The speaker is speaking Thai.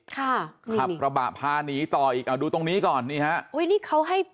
ขับกระบะพาหนีต่ออีกเอาดูตรงนี้ก่อนนี่ฮะอุ้ยนี่เขาให้